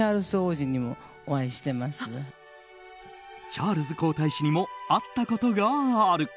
チャールズ皇太子にも会ったことがある。